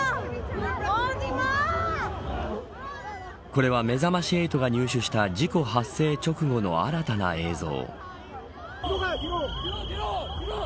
これは、めざまし８が入手した事故発生直後の新たな映像。